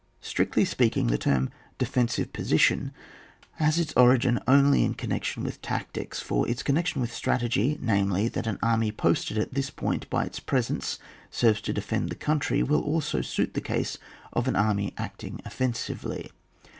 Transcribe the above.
Strictly speaking, the term defensive position has its origin only in connection with tactics, for its connection with stra tegy, namely, that an army posted at this point by its presence serves to defend the country, will also suit the case of an army acting offensively.